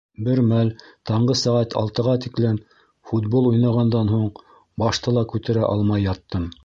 Бер мәл таңгы сәғәт алтыға тиклем футбол уйнағандан һуң башты ла күтәрә алмай яттым.